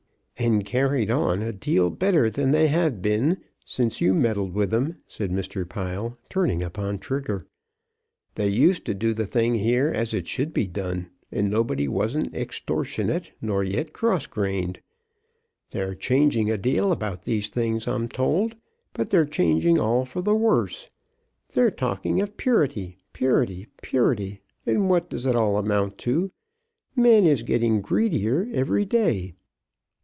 "And carried on a deal better than they have been since you meddled with them," said Mr. Pile, turning upon Trigger. "They used to do the thing here as it should be done, and nobody wasn't extortionate, nor yet cross grained. They're changing a deal about these things, I'm told; but they're changing all for the worse. They're talking of purity, purity, purity; and what does it all amount to? Men is getting greedier every day."